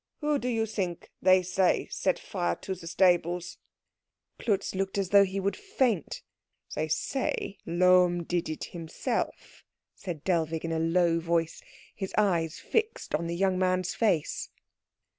Who do you think they say set fire to the stables?" Klutz looked as though he would faint. "They say Lohm did it himself," said Dellwig in a low voice, his eyes fixed on the young man's face.